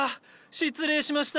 失礼しました。